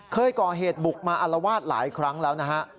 เคยก่อเหตุบุกมาอารวาสหลายครั้งแล้วนะฮะ